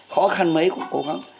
khó khăn mấy cũng cố gắng